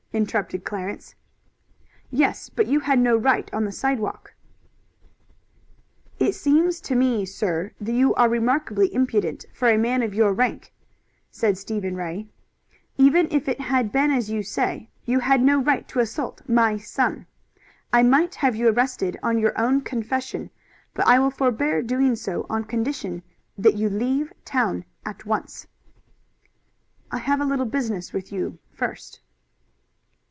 '" interrupted Clarence. "Yes, but you had no right on the sidewalk." "It seems to me, sir, that you are remarkably independent for a man of your rank. Even if it had been as you say, you had no right to assault my son. I might have you arrested on your own confession, but I will forbear doing so on condition that you leave town at once." "I have a little business with you first."